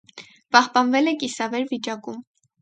Պահպանվել է կիսավեր վիճակում։